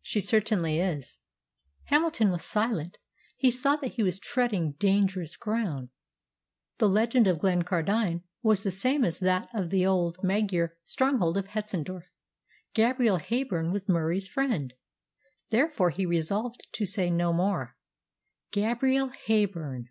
"She certainly is." Hamilton was silent. He saw that he was treading dangerous ground. The legend of Glencardine was the same as that of the old Magyar stronghold of Hetzendorf. Gabrielle Heyburn was Murie's friend. Therefore he resolved to say no more. Gabrielle Heyburn!